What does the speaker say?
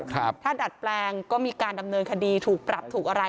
ถ้าดัดแปลงก็มีการดำเนินคดีถูกปรับถูกอะไร